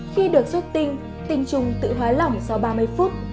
khi được xuất tinh tinh trùng tự hóa lỏng sau ba mươi phút